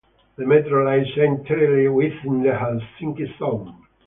The metro lies entirely within the Helsinki zone.